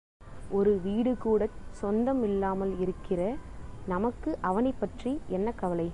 ஒரு வீடுகூடச் சொந்தம் இல்லாமல் இருக்கிற நமக்கு அவனைப் பற்றி என்ன கவலை?